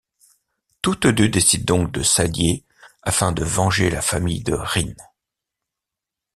Toutes deux décident donc de s'allier afin de venger la famille de Rin.